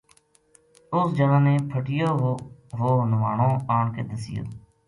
اُس جنا نے پھٹیو بو ہوانو آن کے دسیو